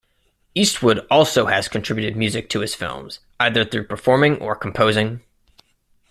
Eastwood also has contributed music to his films, either through performing or composing.